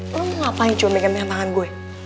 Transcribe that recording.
lo mau ngapain cuemekan pemandangan gue